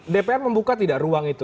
dpr membuka tidak ruang itu